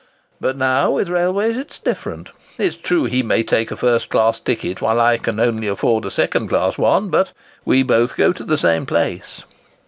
But now, with railways, it's different. It's true, he may take a first class ticket, while I can only afford a second class one, but we both go the same pace."